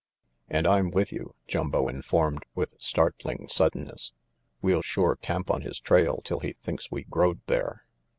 " "And I'm with you," Jumbo informed with startling suddenness. "We'll sure camp on his trail till he thinks we growed there.